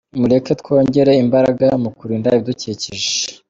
Mureke twongere imbaraga mu kurinda ibidukikije.